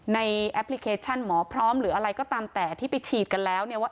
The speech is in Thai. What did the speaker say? แอปพลิเคชันหมอพร้อมหรืออะไรก็ตามแต่ที่ไปฉีดกันแล้วเนี่ยว่า